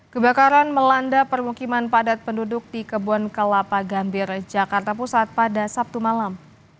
kebakaran melanda permukiman padat penduduk di kebun kelapa gambir jakarta pusat pada sabtu malam